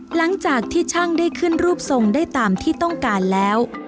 หลังจากที่ช่างได้ขึ้นรูปทรงได้ตามที่ต้องการแล้ว